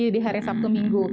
jadi hari sabtu minggu